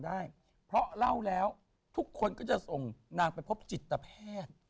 ได้เพราะเล่าแล้วทุกคนก็จะส่งนางไปพบจิตแพทย์